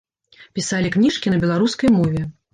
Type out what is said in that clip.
Пісалі кніжкі на беларускай мове.